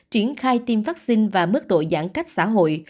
triển khai tiêm vaccine và mức độ giãn cách xã hội